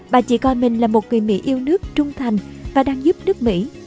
bà chỉ coi mình là một người mỹ yêu nước trung thành và đang giúp nước mỹ